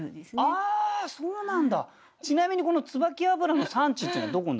ああそうなんだ！